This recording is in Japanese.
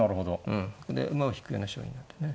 うんで馬を引くような将棋になってね